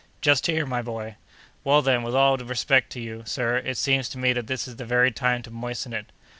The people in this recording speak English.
"Just here, my boy!" "Well, then, with all respect to you, sir, it seems to me that this is the very time to moisten it."